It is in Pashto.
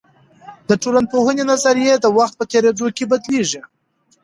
د ټولنپوهني نظريې د وخت په تیریدو کې بدلیږي.